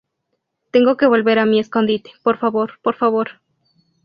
tengo que volver a mi escondite, por favor. por favor.